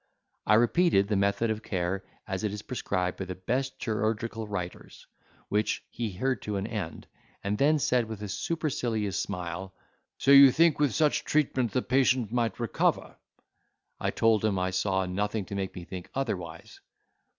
I repeated the method of care as it is prescribed by the best chirurgical writers, which he heard to an end, and then said with a supercilious smile, "So you think with such treatment the patient might recover?" I told him I saw nothing to make me think otherwise.